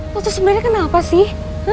lo tuh sebenernya kenapa sih